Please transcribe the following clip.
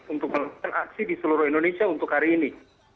untuk melakukan aksi di seluruh indonesia untuk hari ini